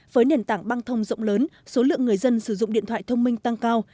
với nền tảng băng thông rộng lớn số lượng người dân sử dụng điện thoại thông minh tăng cao